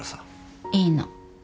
いいの。